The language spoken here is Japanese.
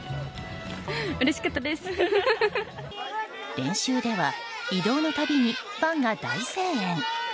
練習では移動の度にファンが大声援。